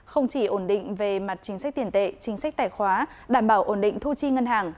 không chỉ ổn định về mặt chính sách tiền tệ chính sách tài khoá đảm bảo ổn định thu chi ngân hàng